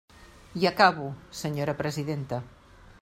I acabo, senyora presidenta.